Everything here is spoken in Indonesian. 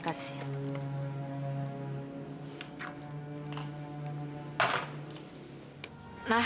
kakek sama nenek diundang kan